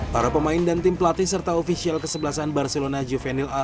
para pemain dan tim pelatih serta ofisial kesebelasan barcelona juvenil a